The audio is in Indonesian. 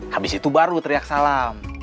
habis itu baru teriak salam